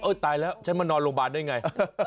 ตายแล้วฉันมานอนโรงพยาบาลได้ไง